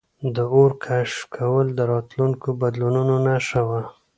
د اور کشف کول د راتلونکو بدلونونو نښه وه.